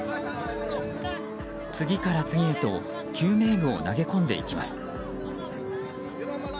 次から次へと救命具を投げ込んでいきます。